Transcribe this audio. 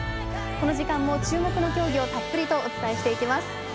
この時間も注目の競技をたっぷりとお伝えしていきます。